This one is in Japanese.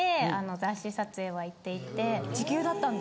時給だったんだ。